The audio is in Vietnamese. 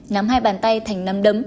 nắm hai bàn tay thành nắm đấm